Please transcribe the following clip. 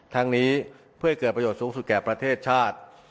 ทั้งนี้เพื่อให้เกิดประโยชน์สูงสุดแก่ประเทศชาติ